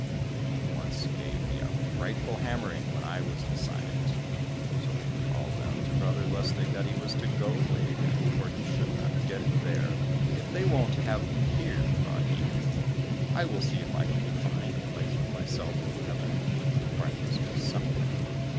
He once gave me a frightful hammering when I was inside it." So they called out to Brother Lustig that he was to go away again, for he should not get in there! "If they won't have me here," thought he, "I will see if I can find a place for myself in heaven, for I must be somewhere."